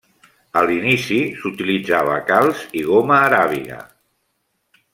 A l'inici s'utilitzava calç i goma aràbiga.